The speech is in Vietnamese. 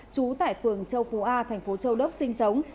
trú tại phường châu phú a thành phố châu đốc sinh sống